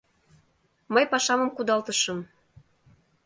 Мый пашамым кудалтышым.